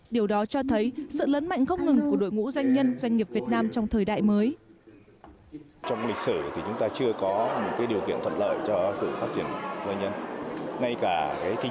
điều đó cho thấy sự lớn mạnh không ngừng của đội ngũ doanh nhân doanh nghiệp việt nam trong thời đại mới